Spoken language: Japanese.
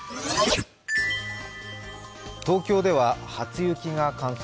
東京では初雪が観測。